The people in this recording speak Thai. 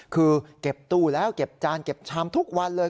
คือเก็บตู้แล้วเก็บจานเก็บชามทุกวันเลย